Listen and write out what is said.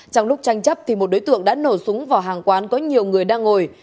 trong lúc tranh chấp thì một đối tượng đã nổ súng vào hàng quán có nhiều người đang ngồi